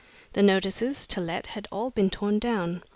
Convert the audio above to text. The notices "To Let" had all been torn down.